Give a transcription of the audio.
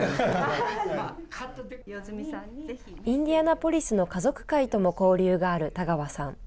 インディアナポリスの家族会とも交流がある田川さん。